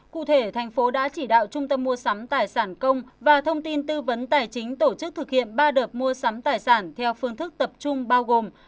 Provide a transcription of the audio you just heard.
cụ thể thành phố đã chỉ đạo trung tâm mua sắm tài sản công và thông tin tư vấn tài chính tổ chức thực hiện ba đợt mua sắm tài sản theo phương thức tập trung bao gồm